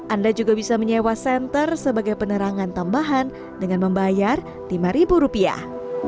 anda juga bisa menyewa senter sebagai penerangan tambahan dengan membayar lima rupiah